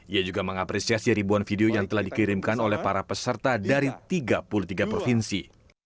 ia juga mengapresiasi ribuan video yang telah dikirimkan oleh para peserta dari tiga puluh tiga provinsi